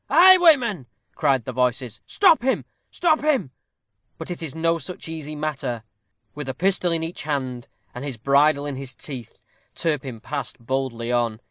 a highwayman!" cry the voices: "stop him, stop him!" But it is no such easy matter. With a pistol in each hand, and his bridle in his teeth, Turpin passed boldly on.